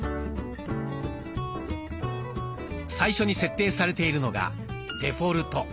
最初に設定されているのが「デフォルト」。